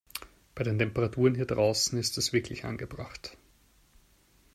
Bei den Temperaturen hier draußen ist das wirklich angebracht.